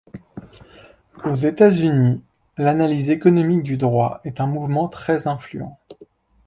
Aux États-Unis, l’analyse économique du droit est un mouvement très influent.